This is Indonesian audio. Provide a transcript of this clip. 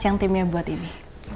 yang timnya buat ini